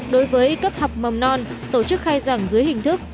đối với cấp học mầm non tổ chức khai giảng dưới hình thức